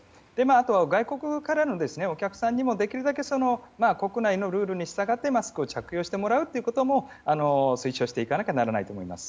あと、外国からのお客さんにもできるだけ国内のルールに従ってマスクを着用してもらうことも推奨していかなきゃならないと思います。